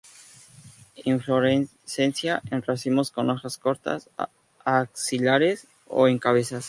Inflorescencia en racimos con hojas cortas, axilares o en cabezas.